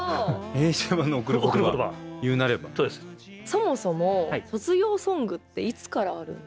そもそも卒業ソングっていつからあるんですか？